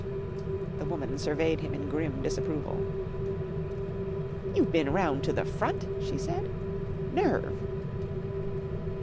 The woman surveyed him in grim disapproval. "You bin round to the front?" she said. "Nerve!"